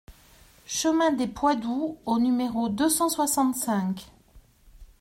Chemin des Pois Doux au numéro deux cent soixante-cinq